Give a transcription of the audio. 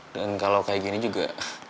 kalau kayak gini juga